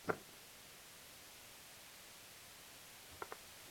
কিন্তু সঙ্গে আরও দুজন কিশোর থাকায় তাদের প্রতি নজর ছিল বেশি।